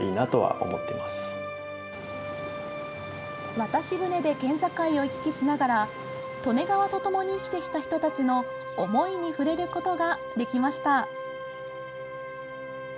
渡し船で県境を行き来しながら利根川とともに生きて来た人たちの思いに触れることができました。